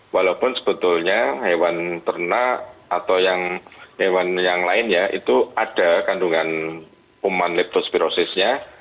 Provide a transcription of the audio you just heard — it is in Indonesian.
walaupun sebetulnya hewan ternak atau yang hewan yang lainnya itu ada kandungan uman leptospirosisnya